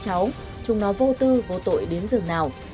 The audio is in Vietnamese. cháu chúng nó vô tư vô tội đến dường nào